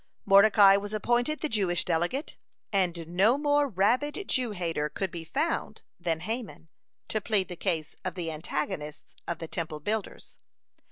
Mordecai was appointed the Jewish delegate, and no more rabid Jew hater could be found than Haman, to plead the cause of the antagonists of the Temple builders.